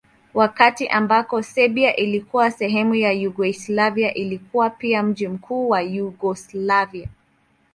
Wakati ambako Serbia ilikuwa sehemu ya Yugoslavia ilikuwa pia mji mkuu wa Yugoslavia.